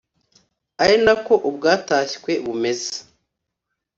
ari nako ubwatashywe bumeze